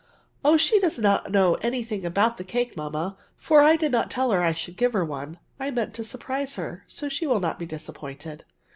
'' Oh, she does not know any thing about the cake, mamma, for I did not tell her I should give hfflr one ; I meant to surprise her, so she will not be disappointed."'